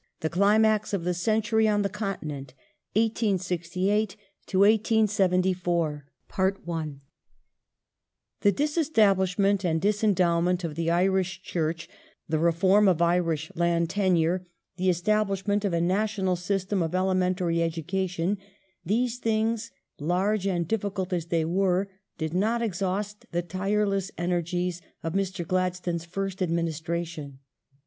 THE CLIiMAX OF THE CENTURY ON THE CONTINENT y (1868 1874) THE disestablishment and disendowraent of the Irish Chur^i^h, the reform of Irish land tenure, ,the establishment oii a national system of elementary education — ^these things, large anid difficult as they were, did not exhaust the tireless energies of M^r. Gladstone's first administration.